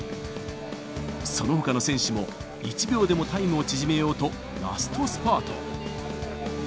そのほかの選手も、１秒でもタイムを縮めようとラストスパート。